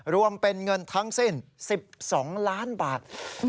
รวมเป็นเงินทั้งสิ้น๑๒ล้านบาท